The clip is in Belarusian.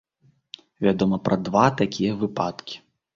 Вядома пра два такія выпадкі.